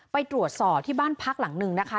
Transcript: ไปตรวจสอบที่บ้านพักหลังนึงนะคะ